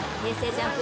ＪＵＭＰ